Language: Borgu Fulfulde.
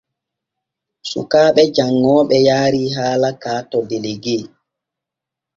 Sukaaɓe janŋooɓe yaarii haala ka to delegue.